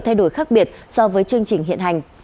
thay đổi khác biệt so với chương trình hiện hành